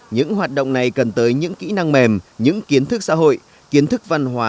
những hoạt động này cần tới những kỹ năng mềm những kiến thức xã hội kiến thức văn hóa